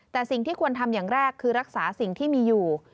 แต่สิ่งที่ควรทำอย่างแรกคือรักษาสิ่งที่มีอยู่